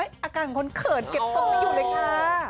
อ้ะอาการของคนเขินเก็บตรงนี้อยู่เลยค่ะอ้อ